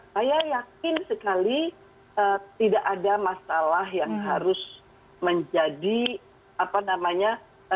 saya yakin sekali tidak ada masalah yang harus menjadi apa namanya